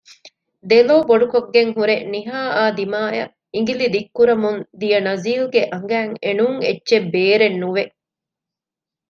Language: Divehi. ދެލޯ ބޮޑުކޮށްގެން ހުރެ ނިހާއާ ދިމާއަށް އިނގިލި ދިއްކުރަމުން ދިޔަ ނަޒީލްގެ އަނގައިން އެނޫން އެއްޗެއް ބޭރެއް ނުވެ